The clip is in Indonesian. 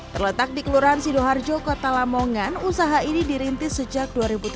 terletak di kelurahan sidoarjo kota lamongan usaha ini dirintis sejak dua ribu tujuh belas